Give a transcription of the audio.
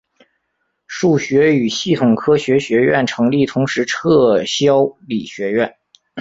数学与系统科学学院成立同时撤销理学院。